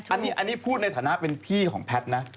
อันนี้พูดในฐานะเป็นพี่ของแพทย์นะ